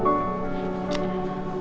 kayanya apa opa devin ngerti